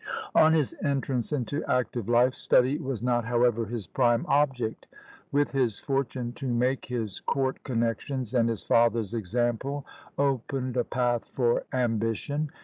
On his entrance into active life, study was not however his prime object. With his fortune to make, his court connexions and his father's example opened a path for ambition.